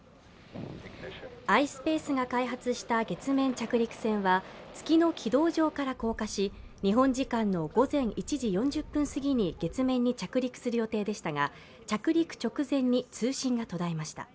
ｉｓｐａｃｅが開発した月面着陸船は月の軌道上から降下し、日本時間の午前１時４０分過ぎに月面に着陸する予定でしたが着陸直前に通信が途絶えました。